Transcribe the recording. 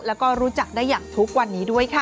แล้วก็รู้จักได้อย่างทุกวันนี้ด้วยค่ะ